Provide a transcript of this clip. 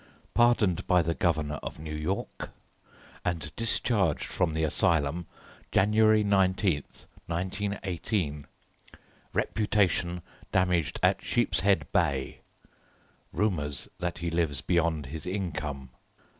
Pardoned by the Governor of New York, and discharged from the Asylum, January 19, 1918. Reputation damaged at Sheepshead Bay. Rumours that he lives beyond his income.